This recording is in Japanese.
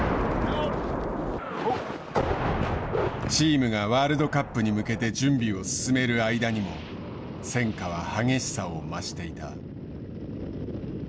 チームがワールドカップに向けて準備を進める間にも戦火は激しさを増していた。